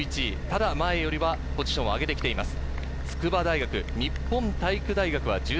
ただ、前よりはポジションを上げてきています。